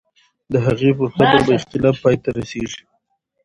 د هغې پر قبر به اختلاف پای ته رسېږي.